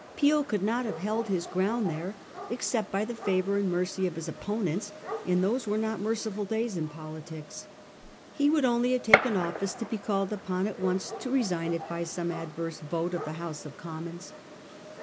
Peel could, not have held his ground there, except by the favour and mercy of his opponents ; and those were not merciful days in poli tics. He would only have taken office to be called upon at once to resign it by some adverse vote of the 1839. SOMETHING TO BE SAID FOE MELBOURNE. 13 9 House of Commons.